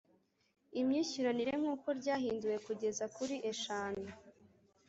imyishyuranire nk uko ryahinduwe kugeza kuri eshanu